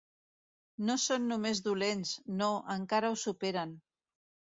No són només dolents, no, encara ho superen.